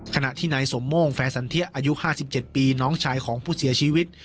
ขณะที่นายสมโม่งแฟร์สันเทียอายุ๕๗ปีน้องชายของผู้เสียชีวิต